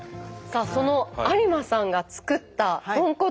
さあその有馬さんが作った豚骨。